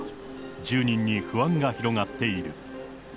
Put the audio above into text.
住人に不安が広がっている。